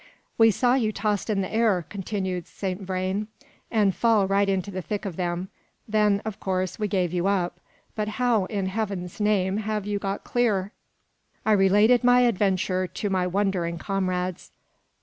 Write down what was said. "We saw you tossed in the air," continued Saint Vrain, "and fall right into the thick of them. Then, of course, we gave you up. But how, in Heaven's name, have you got clear?" I related my adventure to my wondering comrades.